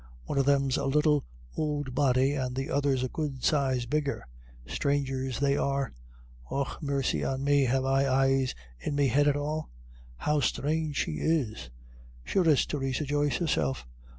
One of them's a little ould body, and the other's a good size bigger. Strangers they are. Och, mercy on me, have I eyes in me head at all? How strange she is! Sure it's Theresa Joyce herself.